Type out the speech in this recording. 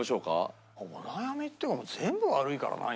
悩みっていうかもう全部悪いからな今。